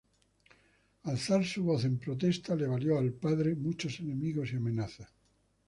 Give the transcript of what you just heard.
Alzar su voz en protesta le valió al Padre muchos enemigos y amenazas.